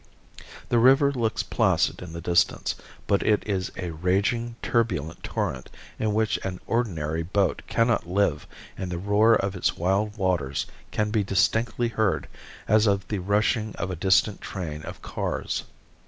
The river looks placid in the distance, but is a raging, turbulent torrent in which an ordinary boat cannot live and the roar of its wild waters can be distinctly heard as of the rushing of a distant train of cars.